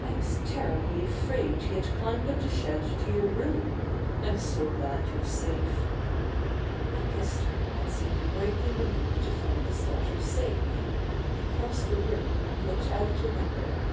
"I was terribly afraid he had climbed up the shed to your room. I'm so glad you're safe." He kissed her and seemed greatly relieved to find his daughter safe. He crossed the room and looked out of the window.